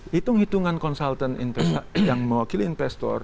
hitung hitungan konsultan yang mewakili investor